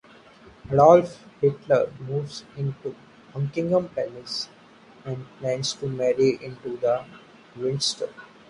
Adolf Hitler moves into Buckingham Palace and plans to marry into the Windsors.